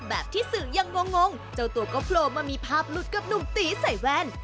แบบที่สื่อยังงงเจ้าตัวก็โผล่มามีภาพหลุดกับหนุ่มตีใส่แว่น